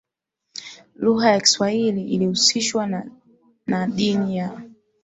Lugha ya kiswahili ilihusishwa na na dini ya